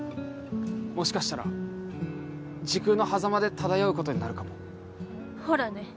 もしかしたら時空の狭間で漂うことになるかもほらね